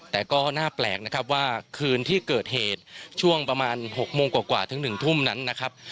แต่ก็น่าแปลกนะครับว่าคืนที่เกิดเหตุช่วงประมาณ๖โมงกว่าถึง๑ทุ่มนั้นนะครับ